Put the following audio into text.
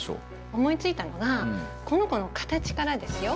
思いついたのがこの子の形からですよ